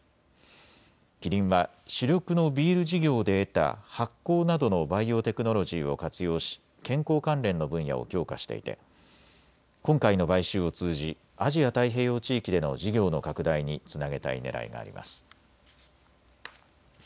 キリンは主力のビール事業で得た発酵などのバイオテクノロジーを活用し健康関連の分野を強化していて今回の買収を通じアジア太平洋地域での事業の拡大につなげたいねらいがあります。